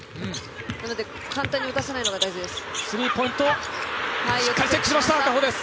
なので、簡単に打たせないのが大事です。